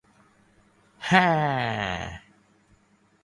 - ฮา